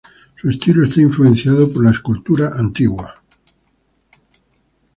Su estilo está influenciado por la escultura antigua.